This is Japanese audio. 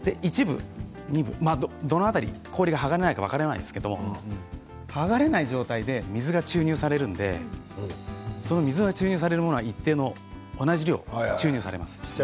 どの辺りの氷が剥がれないか分からないですけれども剥がれない状態で水が注入されるので水は一定の同じ量注入されます。